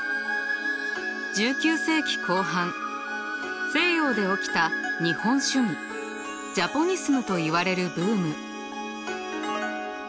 １９世紀後半西洋で起きた日本趣味ジャポニスムといわれるブーム。